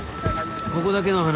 ここだけの話